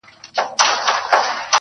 وې سترگې دي و دوو سترگو ته څومره فکر وړي